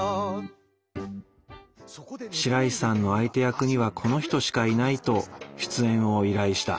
白石さんの相手役にはこの人しかいないと出演を依頼した。